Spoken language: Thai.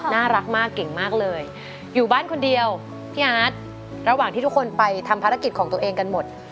น่ารักมากเก่งมากเลยอยู่บ้านคนเดียวพี่อาร์ตระหว่างที่ทุกคนไปทำภารกิจของตัวเองกันหมด